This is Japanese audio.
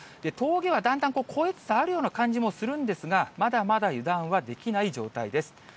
峠はだんだん越えつつあるような感じもするんですが、まだまだ油断はできない状態です。